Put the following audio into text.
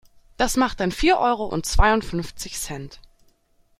Das macht dann vier Euro und zweiundfünfzig Cent.